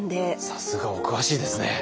さすが！お詳しいですね。